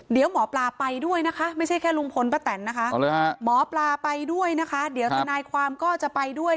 เดี๋ยวหมอปลาไปด้วยนะคะไม่ใช่แค่ลุงพลป้าแตนนะคะหมอปลาไปด้วยนะคะเดี๋ยวทนายความก็จะไปด้วย